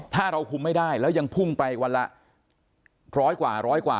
ถ้าเราคุมไม่ได้แล้วยังพุ่งไปวันละร้อยกว่าร้อยกว่า